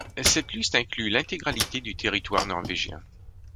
Cette liste inclut l'intégralité du territoire norvégien.